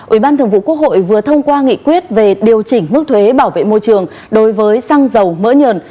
ủy ban thường vụ quốc hội vừa thông qua nghị quyết về điều chỉnh mức thuế bảo vệ môi trường đối với xăng dầu mỡ nhờn